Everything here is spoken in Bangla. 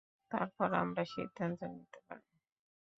তারপর আমরা সিদ্ধান্ত নিতে পারবো।